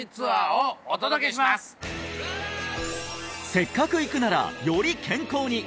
せっかく行くならより健康に！